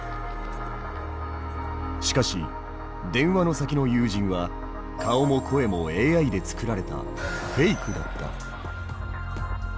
しかし電話の先の友人は顔も声もＡＩで作られたフェイクだった。